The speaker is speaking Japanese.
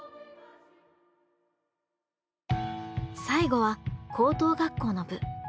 最後は高等学校の部。